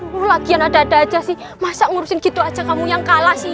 dulu lagian ada ada aja sih masa ngurusin gitu aja kamu yang kalah sih